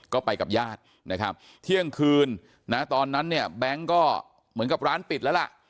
ก็ไปกับญาตินะครับเที่ยงคืนนะตอนนั้นเนี่ยแบงค์ก็เหมือนกับร้านปิดแล้วล่ะ